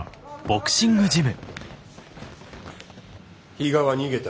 比嘉は逃げた。